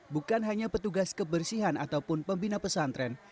bukan hanya petugas kebersihan ataupun pembina pesantren